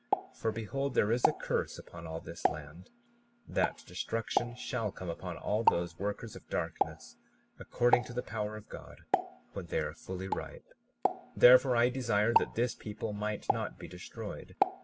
37:28 For behold, there is a curse upon all this land, that destruction shall come upon all those workers of darkness, according to the power of God, when they are fully ripe; therefore I desire that this people might not be destroyed.